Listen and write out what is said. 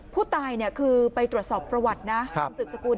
ผู้ตายคือไปตรวจสอบประวัตินะคุณสืบสกุล